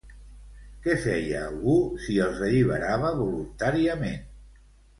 Què feia algú si els alliberava voluntàriament?